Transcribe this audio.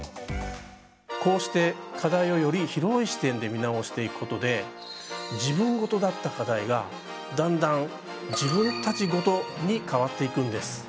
こうして課題をより広い視点で見直していくことで「自分事」だった課題がだんだん「自分たち事」に変わっていくんです。